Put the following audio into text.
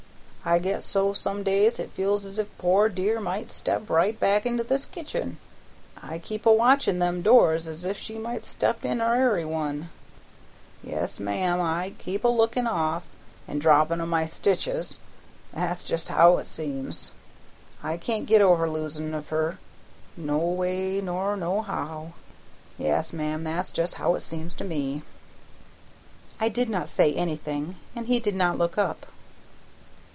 I get so some days it feels as if poor dear might step right back into this kitchen. I keep a watchin' them doors as if she might step in to ary one. Yes, ma'am, I keep a lookin' off an' droppin' o' my stitches; that's just how it seems. I can't git over losin' of her no way nor no how. Yes, ma'am, that's just how it seems to me." I did not say anything, and he did not look up.